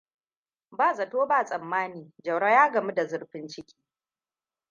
Ba zati ba tsammani Jauro ya gama da zurfin ciki.